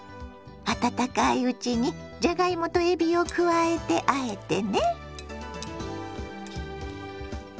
温かいうちにじゃがいもとえびを加えてあえてね。